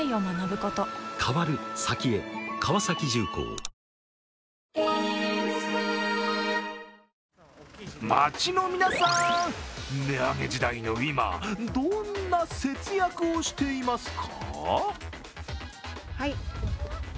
糖質ゼロ街の皆さん、値上げ時代の今、どんな節約をしていますか？